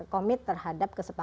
commit terhadap kesepakatan